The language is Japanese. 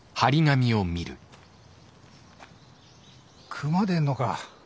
熊出んのか。